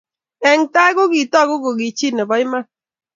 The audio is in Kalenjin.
Eng tao kogitagu ku chii nebo iman